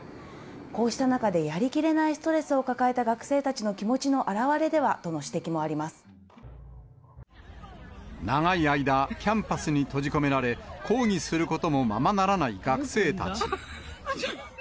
こうした中で、やりきれないストレスを抱えた学生たちの気持ちの表れではとの指長い間、キャンパスに閉じ込められ、抗議することもままならない学生たち。